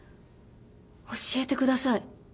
教えてください。